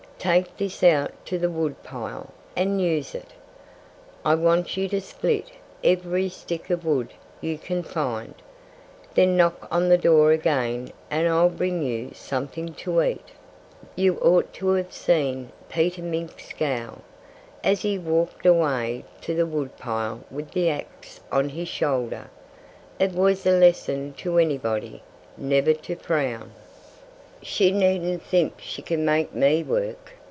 "Take this out to the wood pile and use it! I want you to split every stick of wood you can find. Then knock on the door again and I'll bring you something to eat." You ought to have seen Peter Mink scowl, as he walked away to the wood pile with the axe on his shoulder. It was a lesson to anybody, never to frown! "She needn't think she can make me work!"